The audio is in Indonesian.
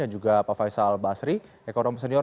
dan juga pak faisal basri ekonomi senior